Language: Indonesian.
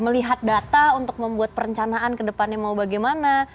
melihat data untuk membuat perencanaan ke depannya mau bagaimana